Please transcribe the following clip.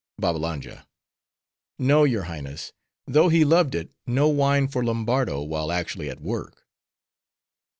BABBALANJA—No, your Highness; though he loved it, no wine for Lombardo while actually at work.